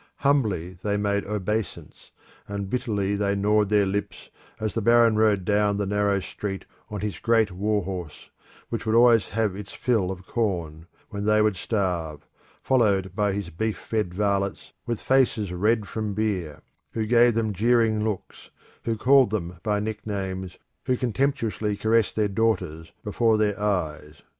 Humbly they made obeisance, and bitterly they gnawed their lips as the baron rode down the narrow street on his great war horse, which would always have its fill of corn, when they would starve, followed by his beef fed varlets with faces red from beer, who gave them jeering looks, who called them by nicknames, who contemptuously caressed their daughters before their eyes.